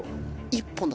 １本だ。